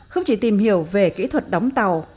không chỉ tìm hiểu về kỹ thuật đóng tàu